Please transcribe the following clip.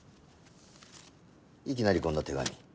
いきなりこんな手紙。